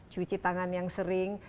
cuci tangan yang sering